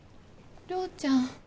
涼ちゃん。